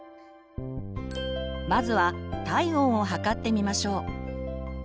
まずは体温を測ってみましょう。